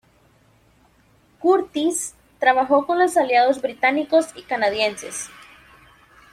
Curtiss trabajó con los aliados británicos y canadienses.